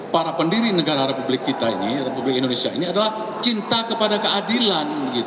para pendiri negara republik kita ini republik indonesia ini adalah cinta kepada keadilan